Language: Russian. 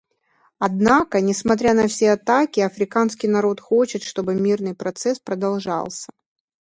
Однако, несмотря на все атаки, афганский народ хочет, чтобы мирный процесс продолжался.